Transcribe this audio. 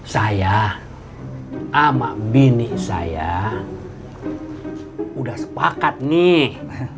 saya amak bini saya udah sepakat nih